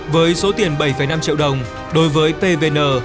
với số tiền bảy năm triệu đồng đối với pvn